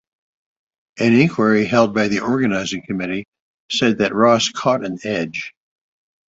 An inquiry held by the organising committee said that Ross "caught an edge".